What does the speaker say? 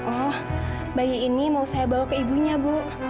oh bayi ini mau saya bawa ke ibunya bu